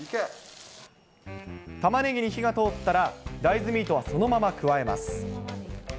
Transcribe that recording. タマネギに火が通ったら、大豆ミートはそのまま加えます。